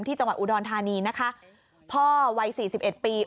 ที่จังหวัดอุดอนธานีนะคะพ่อวัย๔๑ปี